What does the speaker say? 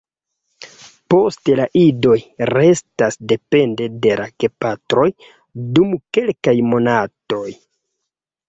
Poste la idoj restas depende de la gepatroj dum kelkaj monatoj.